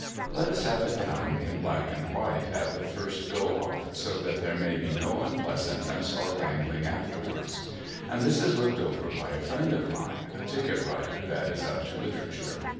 Let us have it down in black and white at the first go off, so that there may be no unpleasantness or wrangling afterwards. And this is looked over by a friend of mine, a ticket writer, that is up to literature.